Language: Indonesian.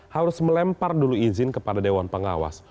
harus melempar dulu izin kepada dewan pengawas